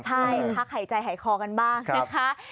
ใช่พักหายใจหายคอกันบ้างนะคะ